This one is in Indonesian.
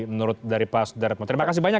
menurut dari pak sederetmo terima kasih banyak